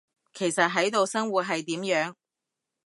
其實喺度生活，係點樣？